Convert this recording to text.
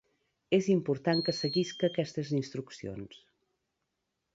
És important que seguisca aquestes instruccions.